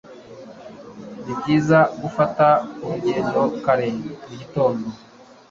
Nibyiza gufata urugendo kare mugitondo.